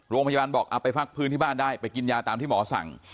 โรงพยาบาลบอกเอาไปพักพื้นที่บ้านได้ไปกินยาตามที่หมอสั่ง